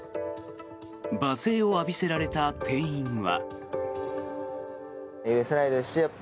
罵声を浴びせられた店員は。